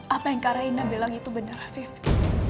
apa yang karaina bilang itu bener afid